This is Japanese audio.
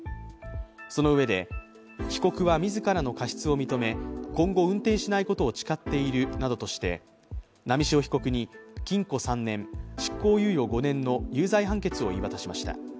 そのうえで、被告は自らの過失を認め今後運転しないことを誓っているなどとして波汐被告に禁錮３年執行猶予５年の有罪判決を言い渡しました。